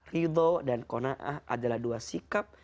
ridho dan kona'ah adalah dua sikap